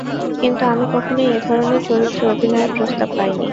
কিন্তু আমি কখনোই এ ধরনের চরিত্রে অভিনয়ের প্রস্তাব পাইনি।